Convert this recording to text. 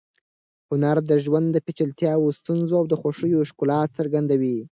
هنر د ژوند د پیچلتیاوو، ستونزو او خوښیو ښکلا څرګندوي.